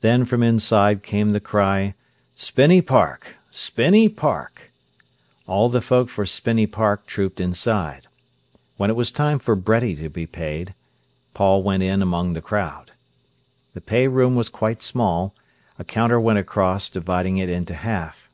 Then from inside came the cry "Spinney Park—Spinney Park." All the folk for Spinney Park trooped inside. When it was time for Bretty to be paid, Paul went in among the crowd. The pay room was quite small. A counter went across, dividing it into half.